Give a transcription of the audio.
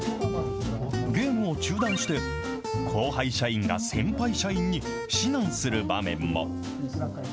ゲームを中断して、後輩社員が先輩社員に指南する場面も。